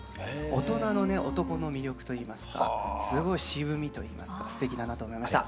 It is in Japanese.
大人のね男の魅力といいますかすごい渋みといいますかすてきだなと思いました。